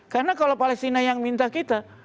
karena kalau palestina yang minta kita